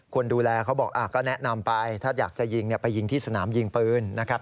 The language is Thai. คนดูแลเขาบอกก็แนะนำไปถ้าอยากจะยิงไปยิงที่สนามยิงปืนนะครับ